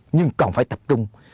nhưng còn phải tập trung